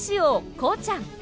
こうちゃん。